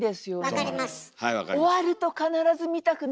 分かります。